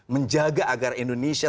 menjaga agar indonesia